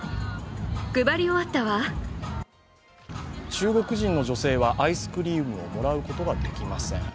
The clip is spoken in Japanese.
中国人の女性はアイスクリームをもらうことができません。